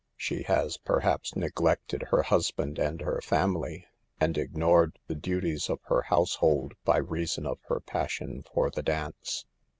She has, perhaps, neglected her husband and her family and ignored the duties of her household by reason of her pas sion for the dance.